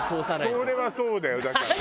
それはそうだよだから。